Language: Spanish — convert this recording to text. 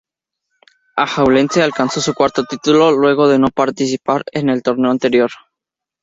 Alajuelense, alcanza su cuarto título, luego de no participar en el torneo anterior.